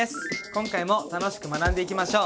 今回も楽しく学んでいきましょう！